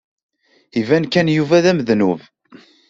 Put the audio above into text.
Iban kan Yuba d amednub.